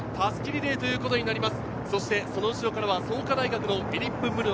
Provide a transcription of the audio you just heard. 初めての襷リレーということになります。